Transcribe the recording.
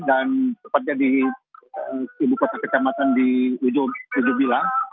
dan sepatnya di ibu kota kecamatan di ujung